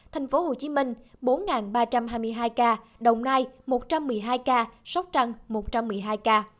thành phố hồ chí minh bốn ba trăm hai mươi hai ca đồng nai một trăm một mươi hai ca sóc trăng một trăm một mươi hai ca